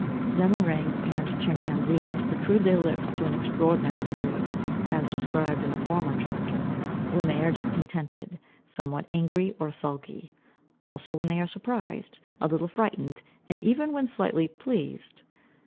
Young orangs and chimpanzees protrude their lips to an extraordinary degree, as described in a former chapter, when they are discontented, somewhat angry, or sulky; also when they are surprised, a little frightened, and even when slightly pleased.